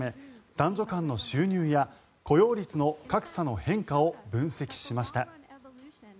男女間の収入や雇用率の格差の変化を分析しました。